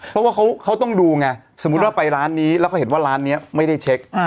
เพราะว่าเขาต้องดูไงสมมุติว่าไปร้านนี้แล้วก็เห็นว่าร้านนี้ไม่ได้เช็ค